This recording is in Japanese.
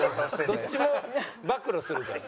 どっちも暴露するから。